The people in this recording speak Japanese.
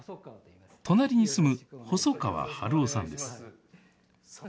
隣に住む細川春雄さんです。